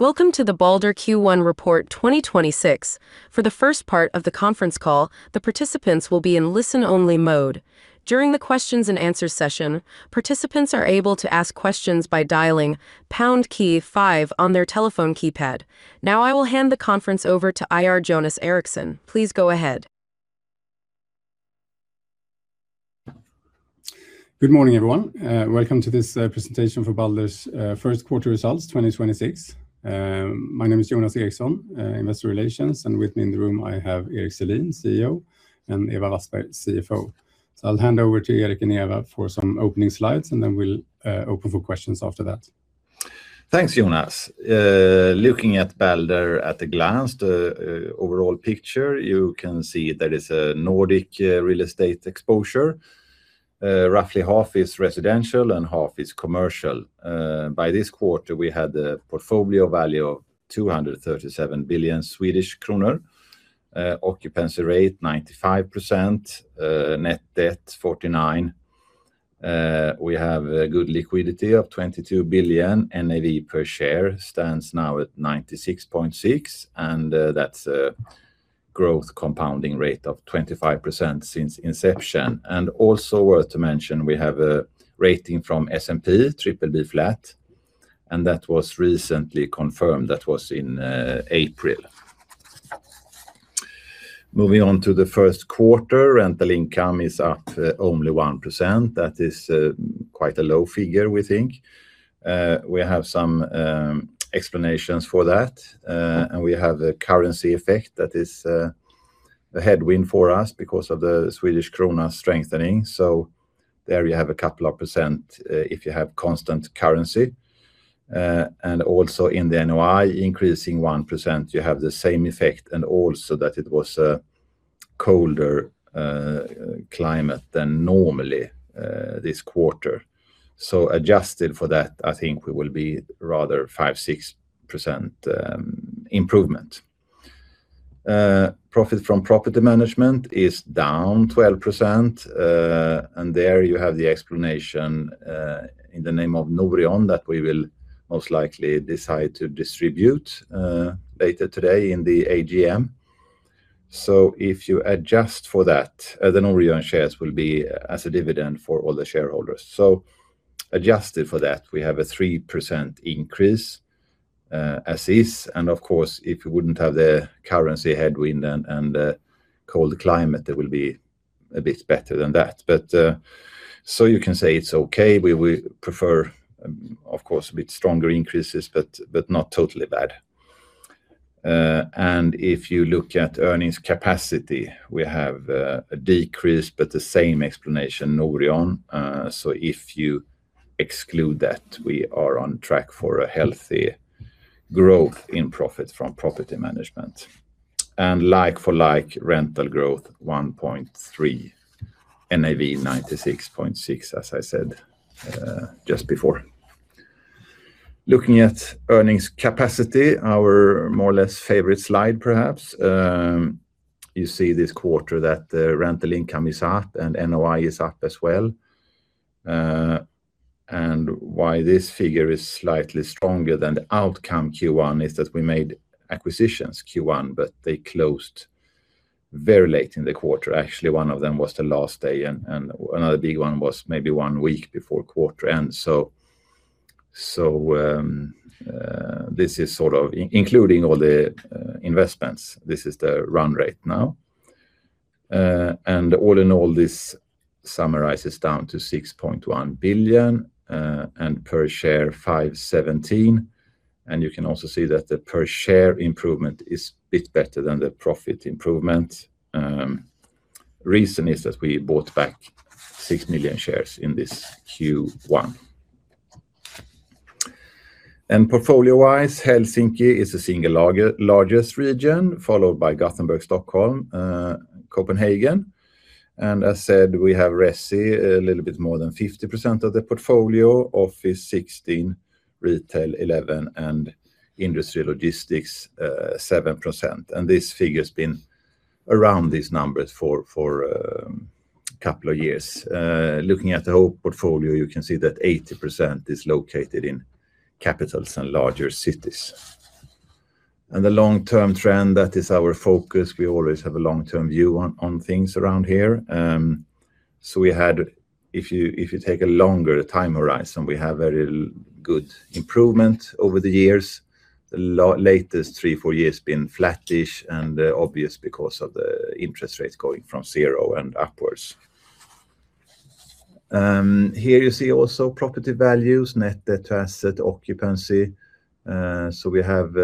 Welcome to the Balder Q1 Report 2026. For the first part of the conference call, the participants will be in listen only mode. During the questions and answers session, participants are able to ask questions by dialing pound key five on their telephone keypad. Now I will hand the conference over to IR Jonas Erikson. Please go ahead. Good morning, everyone. Welcome to this presentation for Balder's first quarter results 2026. My name is Jonas Erikson, Investor Relations, and with me in the room I have Erik Selin, CEO, and Ewa Wassberg, CFO. I'll hand over to Erik and Ewa for some opening slides, and then we'll open for questions after that. Thanks, Jonas. Looking at Balder at a glance, the overall picture, you can see there is a Nordic real estate exposure. Roughly half is residential and half is commercial. By this quarter, we had a portfolio value of 237 billion Swedish kronor. Occupancy rate 95%. Net debt 49. We have a good liquidity of 22 billion. NAV per share stands now at 96.6, and that's a growth compounding rate of 25% since inception. Also worth to mention, we have a rating from S&P BBB flat, and that was recently confirmed. That was in April. Moving on to the first quarter, rental income is up only 1%. That is quite a low figure, we think. We have some explanations for that. We have a currency effect that is a headwind for us because of the Swedish krona strengthening. There you have a couple of percent if you have constant currency. Also in the NOI increasing 1%, you have the same effect, and also that it was a colder climate than normally this quarter. Adjusted for that, I think we will be rather 5%-6% improvement. Profit from property management is down 12%. There you have the explanation in the name of Norion that we will most likely decide to distribute later today in the AGM. If you adjust for that, the Norion shares will be as a dividend for all the shareholders. Adjusted for that, we have a 3% increase as is, and of course, if you wouldn't have the currency headwind and cold climate, it will be a bit better than that. You can say it's okay. We prefer, of course, a bit stronger increases, but not totally bad. If you look at earnings capacity, we have a decrease, but the same explanation Norion. If you exclude that, we are on track for a healthy growth in profit from property management. Like-for-like rental growth 1.3. NAV 96.6, as I said just before. Looking at earnings capacity, our more or less favorite slide perhaps. You see this quarter that the rental income is up and NOI is up as well. Why this figure is slightly stronger than the outcome Q1 is that we made acquisitions Q1, they closed very late in the quarter. Actually, one of them was the last day and another big one was maybe one week before quarter end. This is sort of including all the investments. This is the run rate now. All in all, this summarizes down to 6.1 billion and per share 5.17. You can also see that the per share improvement is a bit better than the profit improvement. Reason is that we bought back 6 million shares in this Q1. Portfolio-wise, Helsinki is the single largest region, followed by Gothenburg, Stockholm, Copenhagen. As said, we have resi a little bit more than 50% of the portfolio. Office 16%, retail 11%, industry logistics, 7%. This figure's been around these numbers for couple of years. Looking at the whole portfolio, you can see that 80% is located in capitals and larger cities. The long-term trend, that is our focus. We always have a long-term view on things around here. If you take a longer time horizon, we have a real good improvement over the years. The latest three, four years been flattish and obvious because of the interest rates going from zero and upwards. Here you see also property values, net debt to total assets, occupancy. We have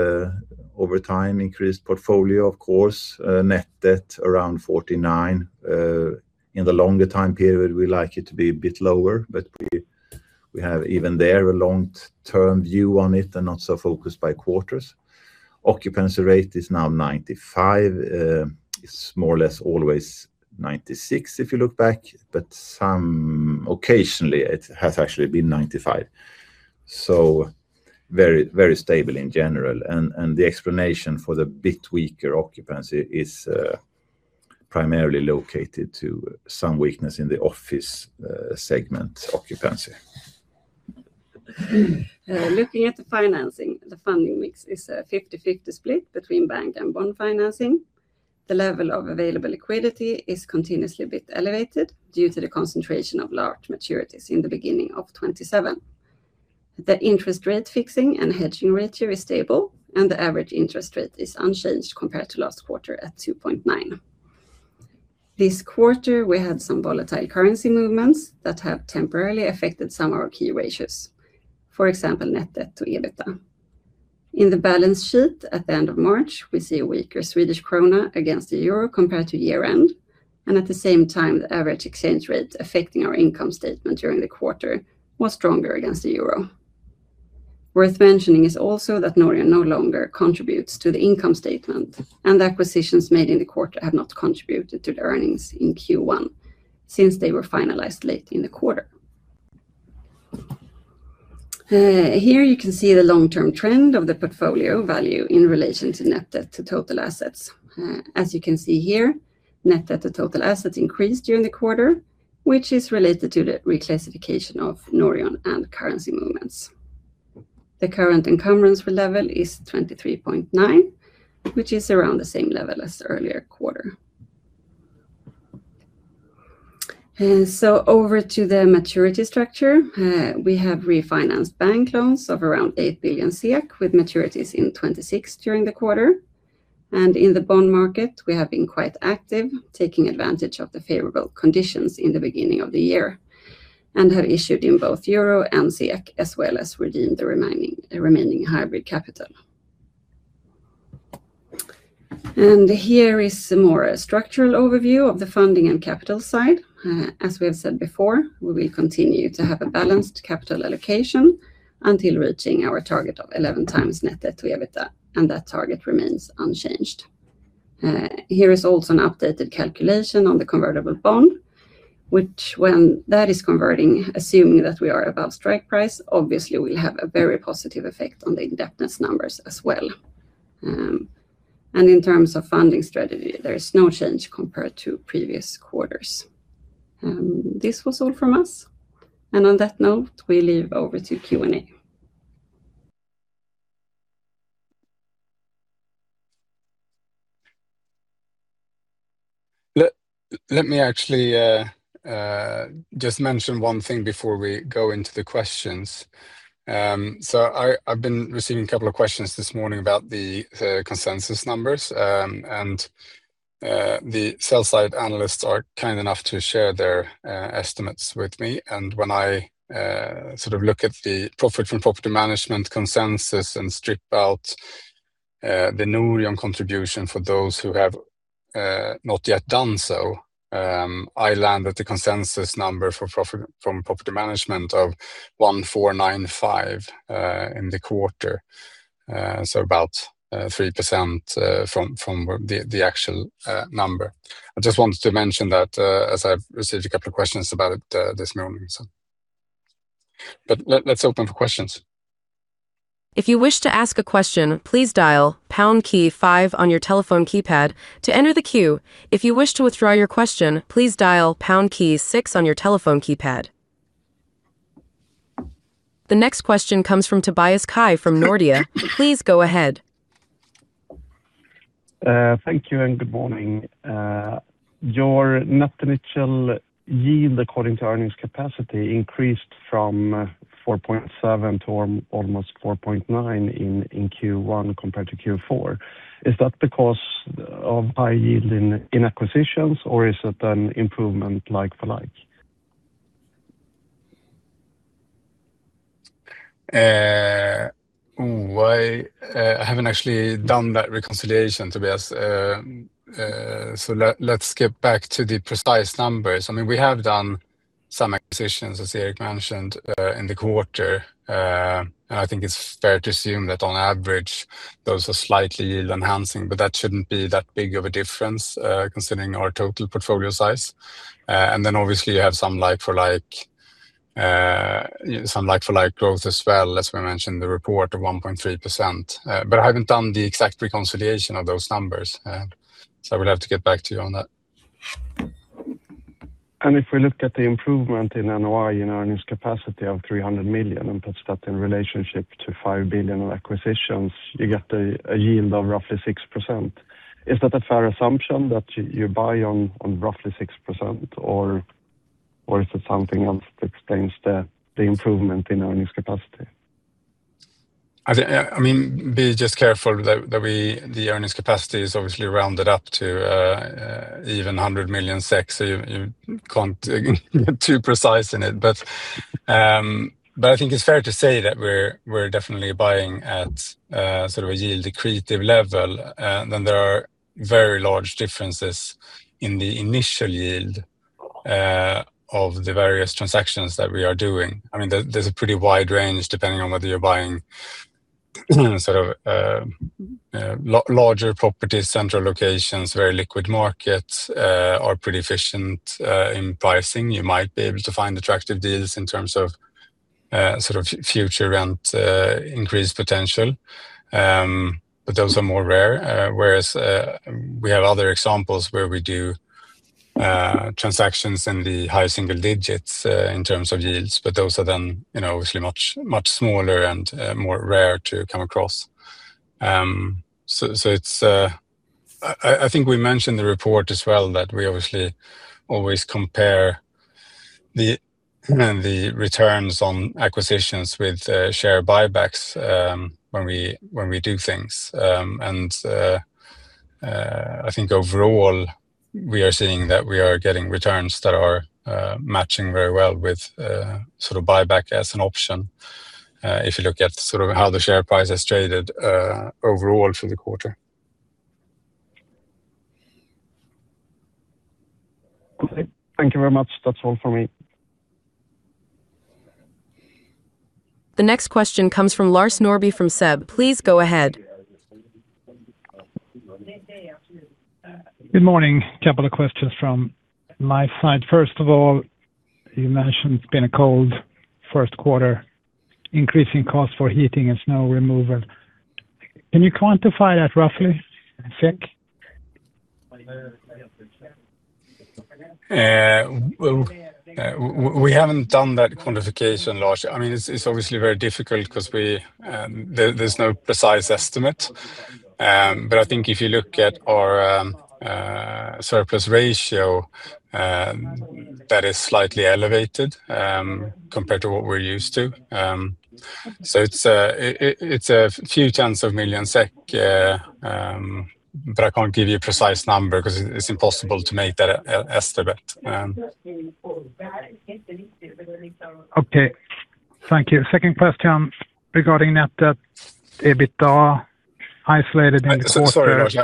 over time increased portfolio, of course. Net debt around 49%. In the longer time period, we like it to be a bit lower, but we have even there a long-term view on it and not so focused by quarters. Occupancy rate is now 95%. It's more or less always 96% if you look back, but some occasionally it has actually been 95%. Very, very stable in general. The explanation for the bit weaker occupancy is primarily located to some weakness in the office, segment occupancy. Looking at the financing, the funding mix is a 50/50 split between bank and bond financing. The level of available liquidity is continuously a bit elevated due to the concentration of large maturities in the beginning of 2027. The interest rate fixing and hedging ratio is stable, and the average interest rate is unchanged compared to last quarter at 2.9%. This quarter, we had some volatile currency movements that have temporarily affected some of our key ratios. For example, net debt to EBITA. In the balance sheet at the end of March, we see a weaker Swedish krona against the euro compared to year-end, and at the same time, the average exchange rate affecting our income statement during the quarter was stronger against the euro. Worth mentioning is also that Norion no longer contributes to the income statement, and the acquisitions made in the quarter have not contributed to the earnings in Q1 since they were finalized late in the quarter. Here you can see the long-term trend of the portfolio value in relation to net debt to total assets. As you can see here, net debt to total assets increased during the quarter, which is related to the reclassification of Norion and currency movements. The current encumbrance level is 23.9%, which is around the same level as the earlier quarter. Over to the maturity structure, we have refinanced bank loans of around 8 billion with maturities in 2026 during the quarter. In the bond market, we have been quite active, taking advantage of the favorable conditions in the beginning of the year, and have issued in both euro and SEK, as well as redeemed the remaining hybrid capital. Here is more structural overview of the funding and capital side. As we have said before, we will continue to have a balanced capital allocation until reaching our target of 11x net debt to EBITA, and that target remains unchanged. Here is also an updated calculation on the convertible bond, which when that is converting, assuming that we are above strike price, obviously will have a very positive effect on the indebtedness numbers as well. In terms of funding strategy, there is no change compared to previous quarters. This was all from us. On that note, we leave over to Q&A. Let me actually just mention one thing before we go into the questions. I've been receiving a couple of questions this morning about the consensus numbers. The sell side analysts are kind enough to share their estimates with me. When I sort of look at the profit from property management consensus and strip out the Norion contribution for those who have not yet done so, I landed the consensus number for profit from property management of 1,495 in the quarter. About 3% from the actual number. I just wanted to mention that as I've received a couple of questions about it this morning. Let's open for questions. The next question comes from Tobias Kaj from Nordea. Please go ahead. Thank you and good morning. Your net initial yield according to earnings capacity increased from 4.7 to almost 4.9 in Q1 compared to Q4. Is that because of high yield in acquisitions or is it an improvement like-for-like? I haven't actually done that reconciliation, Tobias. Let's get back to the precise numbers. I mean, we have done some acquisitions, as Erik mentioned, in the quarter. I think it's fair to assume that on average, those are slightly yield-enhancing, but that shouldn't be that big of a difference, considering our total portfolio size. Obviously you have some like-for-like, some like-for-like growth as well, as we mentioned the report of 1.3%. I haven't done the exact reconciliation of those numbers. I will have to get back to you on that. If we look at the improvement in NOI, in earnings capacity of 300 million, and put that in relationship to 5 billion of acquisitions, you get a yield of roughly 6%. Is that a fair assumption that you buy on roughly 6%, or is it something else that explains the improvement in earnings capacity? I think, be just careful that we the earnings capacity is obviously rounded up to even 100 million SEK, so you can't get too precise in it. I think it's fair to say that we're definitely buying at sort of a yield accretive level. Then there are very large differences in the initial yield of the various transactions that we are doing. There, there's a pretty wide range depending on whether you're buying sort of larger properties, central locations, very liquid markets, are pretty efficient in pricing. You might be able to find attractive deals in terms of sort of future rent increase potential. Those are more rare, whereas we have other examples where we do transactions in the high single digits in terms of yields, but those are then, you know, obviously much, much smaller and more rare to come across. It's I think we mentioned the report as well that we obviously always compare the returns on acquisitions with share buybacks when we when we do things. I think overall we are seeing that we are getting returns that are matching very well with sort of buyback as an option if you look at sort of how the share price has traded overall for the quarter. Okay. Thank you very much. That's all for me. The next question comes from Lars Norrby from SEB. Please go ahead. Good day, afternoon. Good morning. Couple of questions from my side. You mentioned it's been a cold first quarter, increasing costs for heating and snow removal. Can you quantify that roughly in SEK? We haven't done that quantification, Lars. I mean, it's obviously very difficult 'cause we, there's no precise estimate. But I think if you look at our surplus ratio, that is slightly elevated compared to what we're used to. It's a few tens of million SEK, but I can't give you a precise number 'cause it's impossible to make that estimate. Okay. Thank you. Second question regarding net debt EBITDA isolated in the quarter. Sorry, Lars.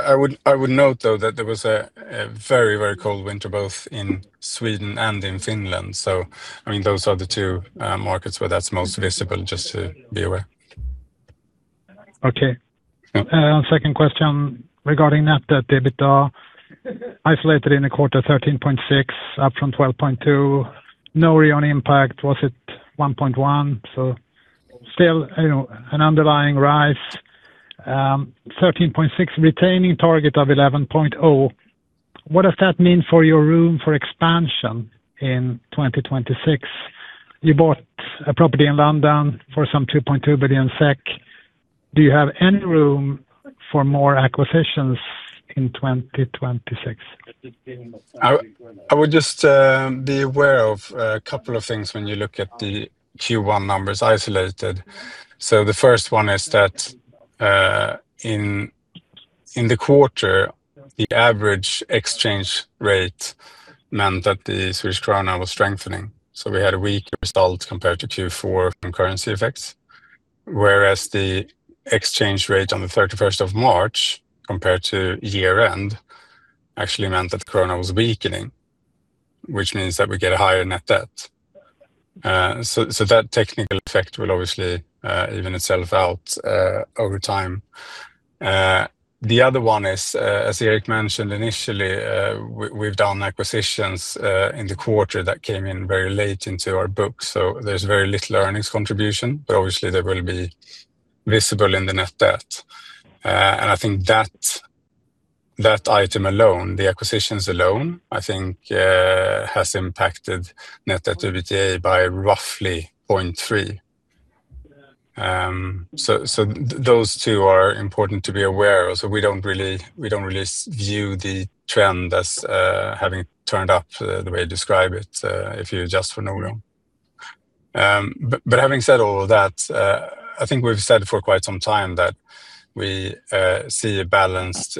I would note though that there was a very cold winter both in Sweden and in Finland. I mean, those are the two markets where that's most visible, just to be aware. Okay. Yeah. Second question regarding net debt EBITDA isolated in the quarter 13.6 up from 12.2. Norion impact, was it 1.1? Still, you know, an underlying rise, 13.6 retaining target of 11.0. What does that mean for your room for expansion in 2026? You bought a property in London for some 2.2 billion SEK. Do you have any room for more acquisitions in 2026? I would just be aware of a couple of things when you look at the Q1 numbers isolated. The first one is that in the quarter, the average exchange rate meant that the Swedish krona was strengthening, so we had a weaker result compared to Q4 from currency effects. Whereas the exchange rate on the 31st of March compared to year-end actually meant that krona was weakening, which means that we get a higher net debt. That technical effect will obviously even itself out over time. The other one is as Erik mentioned initially, we've done acquisitions in the quarter that came in very late into our books, so there's very little earnings contribution, but obviously they will be visible in the net debt. And I think that item alone, the acquisitions alone, has impacted net debt to EBITDA by roughly 0.3. Those two are important to be aware of. We don't really view the trend as having turned up the way you describe it, if you adjust for Norion. But having said all of that, I think we've said for quite some time that we see a balanced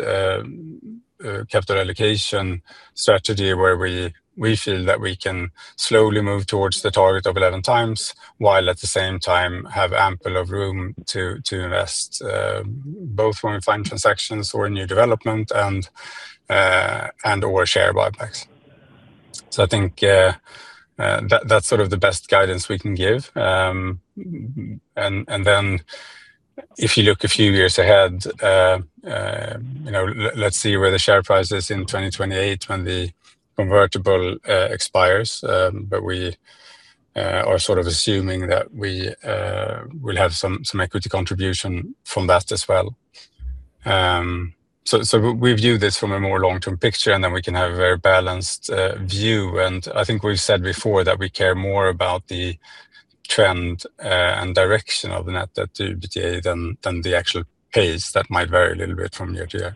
capital allocation strategy where we feel that we can slowly move towards the target of 11x, while at the same time have ample of room to invest both when we find transactions or a new development and/or share buybacks. That's sort of the best guidance we can give. Then if you look a few years ahead, you know, let's see where the share price is in 2028 when the convertible expires. We are sort of assuming that we will have some equity contribution from that as well. We view this from a more long-term picture, and then we can have a very balanced view. I think we've said before that we care more about the trend and direction of net debt to EBITDA than the actual pace that might vary a little bit from year to year.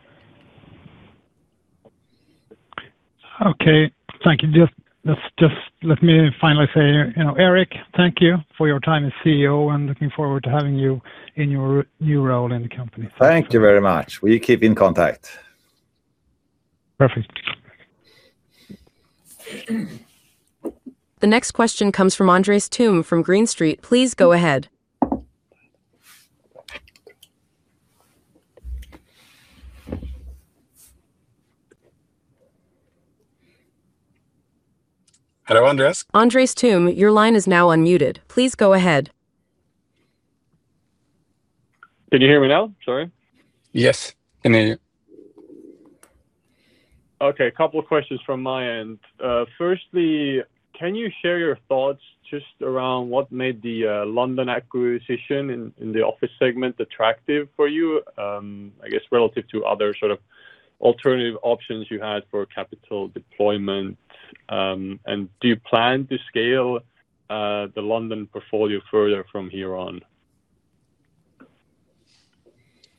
Okay. Thank you. Just let me finally say, you know, Erik, thank you for your time as CEO, and looking forward to having you in your new role in the company. Thank you very much. We keep in contact. Perfect. The next question comes from Andres Toome from Green Street. Please go ahead. Hello, Andres. Andres Toome, your line is now unmuted. Please go ahead. Can you hear me now? Sorry. Yes, can hear you. Okay, a couple of questions from my end. Firstly, can you share your thoughts just around what made the London acquisition in the office segment attractive for you, I guess relative to other sort of alternative options you had for capital deployment? Do you plan to scale the London portfolio further from here on?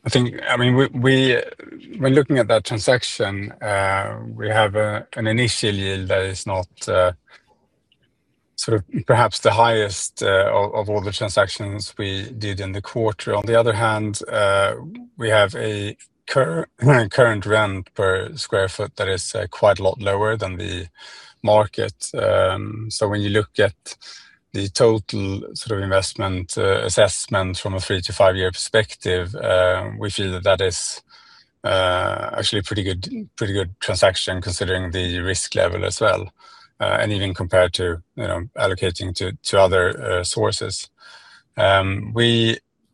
I think I mean, we when looking at that transaction, we have an initial yield that is not sort of perhaps the highest of all the transactions we did in the quarter. On the other hand, we have a current rent per square foot that is quite a lot lower than the market. When you look at the total sort of investment assessment from a 3-5 year perspective, we feel that that is actually a pretty good transaction considering the risk level as well. Even compared to, you know, allocating to other sources.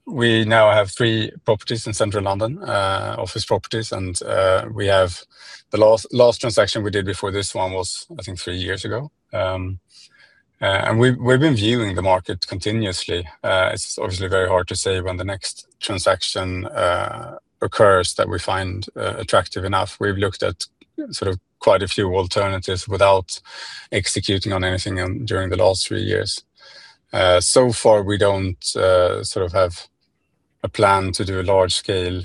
We now have three properties in Central London, office properties, we have, the last transaction we did before this one was, I think, three years ago. We've been viewing the market continuously. It's obviously very hard to say when the next transaction occurs that we find attractive enough. We've looked at sort of quite a few alternatives without executing on anything during the last three years. So far, we don't sort of have a plan to do a large scale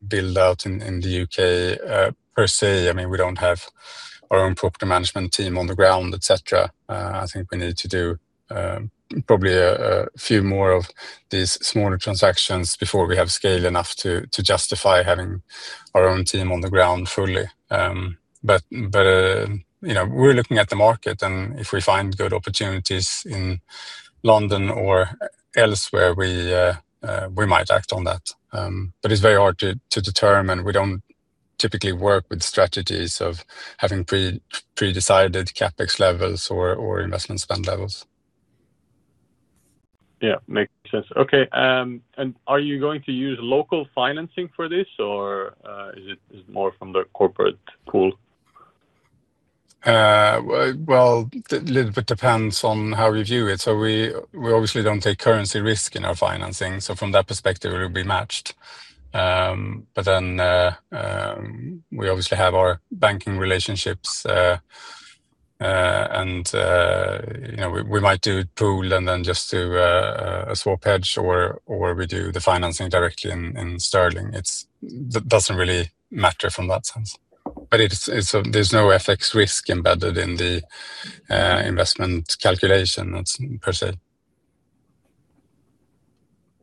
build-out in the U.K. per se. I mean, we don't have our own property management team on the ground, et cetera. I think we need to do probably a few more of these smaller transactions before we have scale enough to justify having our own team on the ground fully. You know, we're looking at the market, if we find good opportunities in London or elsewhere, we might act on that. It's very hard to determine. We don't typically work with strategies of having predecided CapEx levels or investment spend levels. Yeah, makes sense. Okay, are you going to use local financing for this or is it more from the corporate pool? Well, a little bit depends on how we view it. We obviously don't take currency risk in our financing, from that perspective it'll be matched. We obviously have our banking relationships. You know, we might do a pool and then just do a swap hedge or we do the financing directly in sterling. That doesn't really matter from that sense. There's no FX risk embedded in the investment calculation that's per se.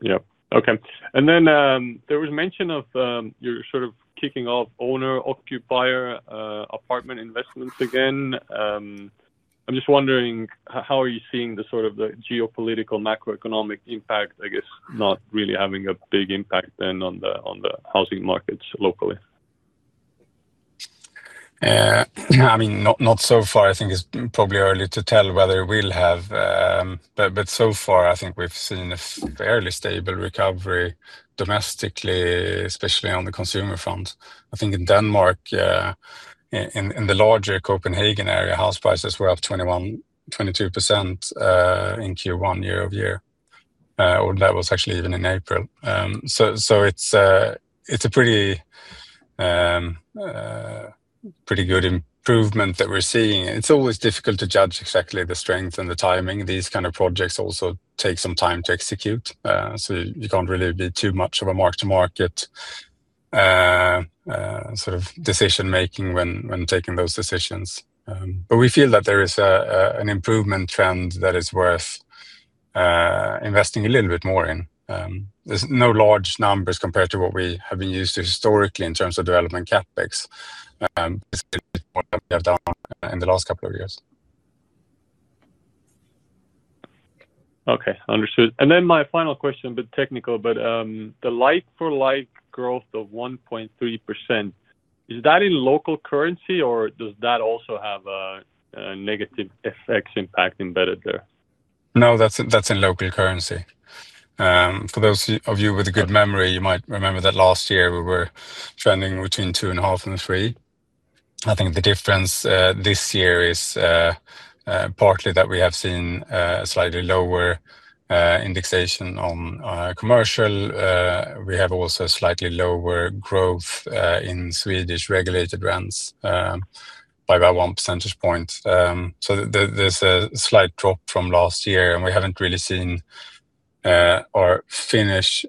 Yep, okay. There was mention of, you're sort of kicking off owner-occupier, apartment investments again. I'm just wondering how are you seeing the sort of the geopolitical macroeconomic impact, I guess, not really having a big impact then on the, on the housing markets locally? I mean, not so far. I think it's probably early to tell whether it will have. So far I think we've seen a fairly stable recovery domestically, especially on the consumer front. I think in Denmark, in the larger Copenhagen area, house prices were up 21%-22% in Q1 year-over-year. That was actually even in April. It's a pretty good improvement that we're seeing. It's always difficult to judge exactly the strength and the timing. These kind of projects also take some time to execute. You can't really be too much of a mark to market sort of decision-making when taking those decisions. We feel that there is an improvement trend that is worth investing a little bit more in. There's no large numbers compared to what we have been used to historically in terms of development CapEx, basically what we have done in the last couple of years. My final question, a bit technical, but the like-for-like growth of 1.3%, is that in local currency or does that also have a negative FX impact embedded there? No, that's in local currency. For those of you with a good memory, you might remember that last year we were trending between 2.5 and 3. I think the difference this year is partly that we have seen slightly lower indexation on commercial. We have also slightly lower growth in Swedish regulated rents by about 1 percentage point. There's a slight drop from last year, and we haven't really seen Finnish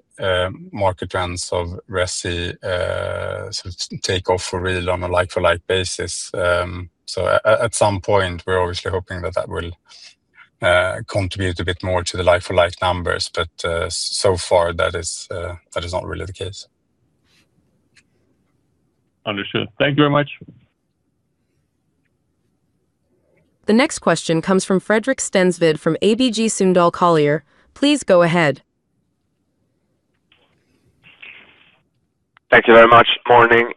market rents of resi sort of take off for really long like-for-like basis. At some point we're obviously hoping that that will contribute a bit more to the like-for-like numbers, but so far that is not really the case. Understood. Thank you very much. The next question comes from Fredrik Stensved from ABG Sundal Collier. Please go ahead. Thank you very much. Morning.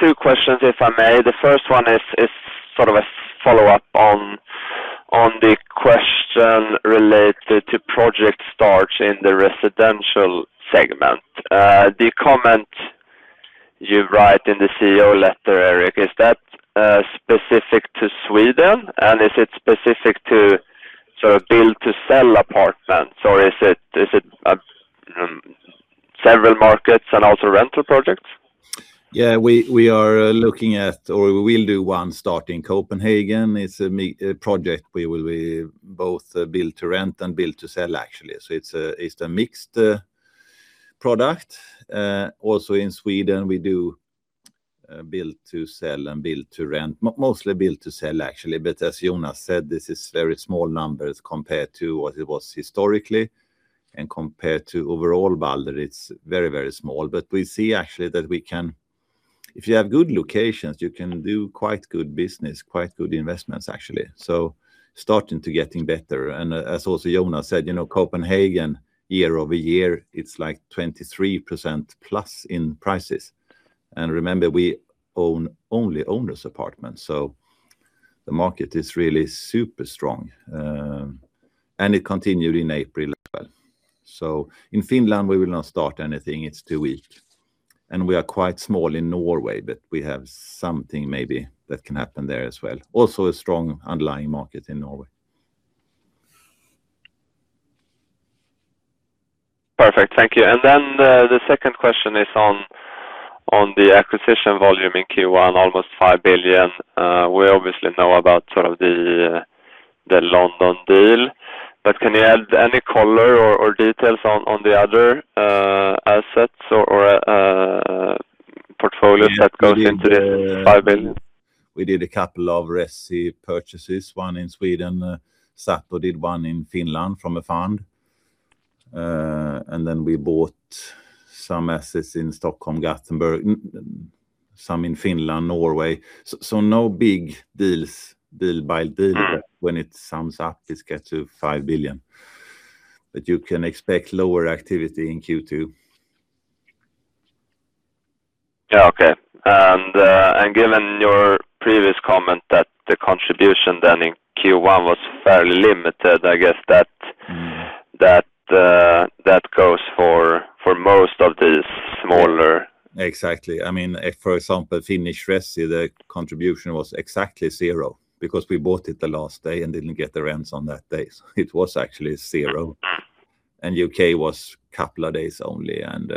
Two questions, if I may. The first one is sort of a follow-up on the question related to project starts in the residential segment. The comment you write in the CEO letter, Erik, is that specific to Sweden and is it specific to sort of build to sell apartments, or is it several markets and also rental projects? Yeah. We are looking at, or we will do one start in Copenhagen. It's a project we will be both build to rent and build to sell actually, so it's a mixed product. Also in Sweden we do build to sell and build to rent. Mostly build to sell actually. As Jonas said, this is very small numbers compared to what it was historically and compared to overall Balder, it's very small. We see actually that we can. If you have good locations, you can do quite good business, quite good investments actually. Starting to getting better. As also Jonas said, you know, Copenhagen year-over-year, it's like 23%+ in prices. Remember, we own only owner-occupier apartments. The market is really super strong. It continued in April as well. In Finland we will not start anything. It's too weak. We are quite small in Norway, but we have something maybe that can happen there as well. Also a strong underlying market in Norway. Perfect. Thank you. The second question is on the acquisition volume in Q1, almost 5 billion. We obviously know about sort of the London deal. Can you add any color or details on the other assets or portfolios that goes into the 5 billion? We did a couple of resi purchases, one in Sweden. SATO did one in Finland from a fund. Then we bought some assets in Stockholm, Gothenburg, some in Finland, Norway. No big deals. When it sums up, it gets to 5 billion. You can expect lower activity in Q2. Yeah. Okay. Given your previous comment that the contribution then in Q1 was fairly limited that goes for most of the smaller. Exactly. I mean, if, for example, Finnish resi, the contribution was exactly zero because we bought it the last day and didn't get the rents on that day. It was actually zero. U.K. was couple of days only, and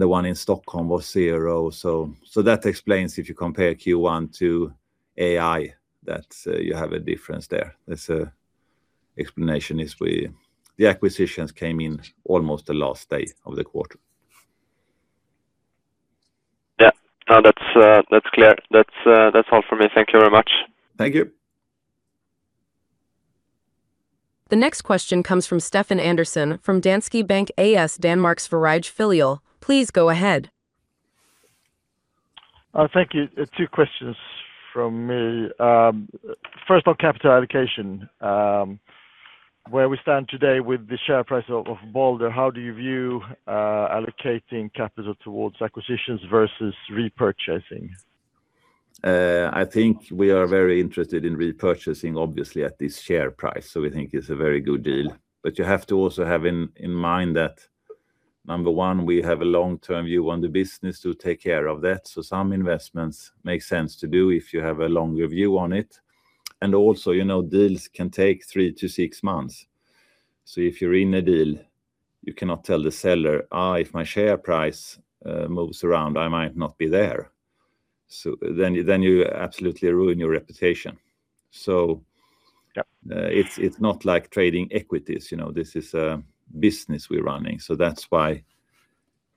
the one in Stockholm was zero. That explains if you compare Q1 to AI, that you have a difference there. That's explanation is the acquisitions came in almost the last day of the quarter. Yeah. No, that's clear. That's all for me. Thank you very much. Thank you. The next question comes from Stefan Andersson from Danske Bank A/S, Danmark, Sverige Filial. Please go ahead. Thank you. Two questions from me. First on capital allocation, where we stand today with the share price of Balder, how do you view allocating capital towards acquisitions versus repurchasing? I think we are very interested in repurchasing obviously at this share price, so we think it's a very good deal. You have to also have in mind that number one, we have a long-term view on the business to take care of that. Some investments make sense to do if you have a longer view on it. Also, you know, deals can take 3-6 months. If you're in a deal, you cannot tell the seller, "If my share price moves around, I might not be there." Then you absolutely ruin your reputation. Yeah. It's not like trading equities, you know. This is a business we're running. That's why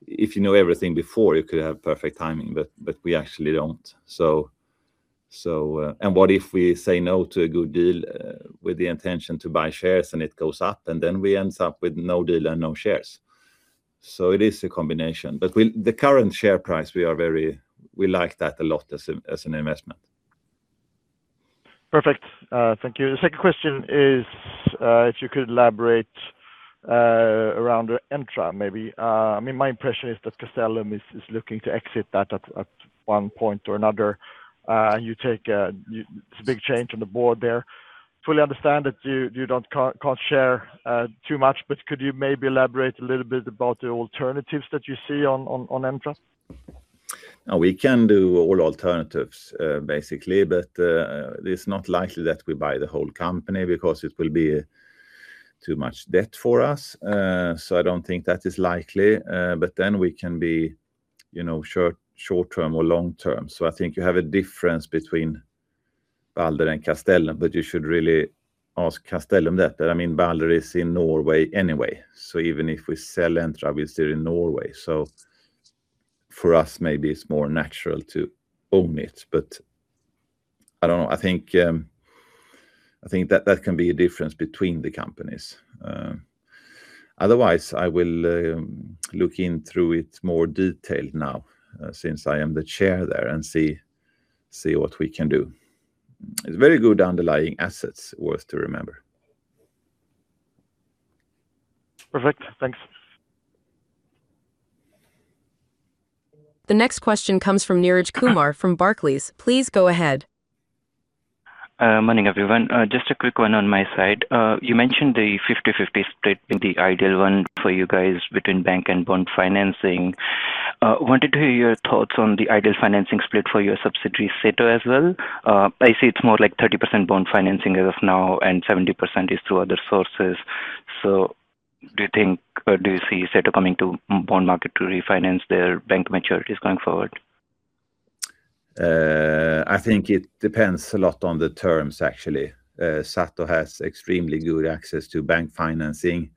if you know everything before, you could have perfect timing, but we actually don't. What if we say no to a good deal with the intention to buy shares and it goes up, and then we end up with no deal and no shares. It is a combination. The current share price, we like that a lot as an investment. Perfect. Thank you. The second question is, if you could elaborate around Entra maybe. I mean, my impression is that Castellum is looking to exit that at one point or another. You take, It's a big change on the board there. Fully understand that you can't share too much, but could you maybe elaborate a little bit about the alternatives that you see on Entra? We can do all alternatives, basically. It's not likely that we buy the whole company because it will be too much debt for us. I don't think that is likely. We can be, you know, short-term or long-term. I think you have a difference between Balder and Castellum. You should really ask Castellum that. I mean, Balder is in Norway anyway. Even if we sell Entra, we are still in Norway. For us, maybe it's more natural to own it. I don't know. I think that can be a difference between the companies. Otherwise, I will look in through it more detailed now, since I am the chair there and see what we can do. It's very good underlying assets worth to remember. Perfect. Thanks. The next question comes from Neeraj Kumar from Barclays. Please go ahead. Morning, everyone. Just a quick one on my side. You mentioned the 50/50 split being the ideal one for you guys between bank and bond financing. Wanted to hear your thoughts on the ideal financing split for your subsidiary, SATO, as well. I see it's more like 30% bond financing as of now, and 70% is through other sources. Do you think or do you see SATO coming to bond market to refinance their bank maturities going forward? I think it depends a lot on the terms actually. SATO has extremely good access to bank financing,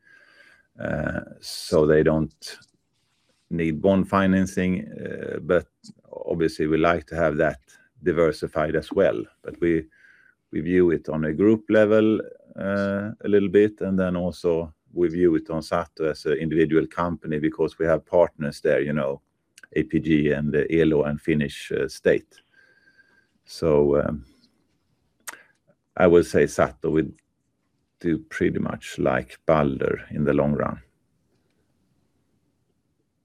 so they don't need bond financing. Obviously, we like to have that diversified as well. We, we view it on a group level, a little bit, and then also we view it on SATO as an individual company because we have partners there, you know, APG and Elo and Finnish State. I would say SATO would do pretty much like Balder in the long run.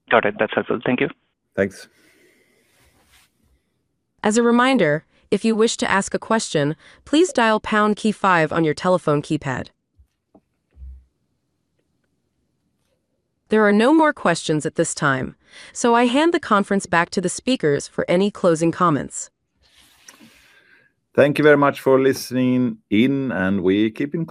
Got it. That's helpful. Thank you. Thanks. As a reminder, if you wish to ask a question, please dial pound key five on your telephone keypad. There are no more questions at this time, so I hand the conference back to the speakers for any closing comments. Thank you very much for listening in, and we keep in touch.